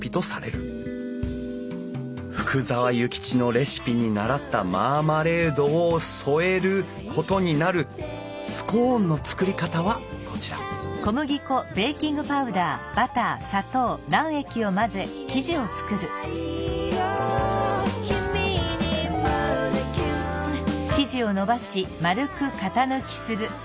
福沢諭吉のレシピにならったマーマレードを添えることになるスコーンの作り方はこちら・こんにちは。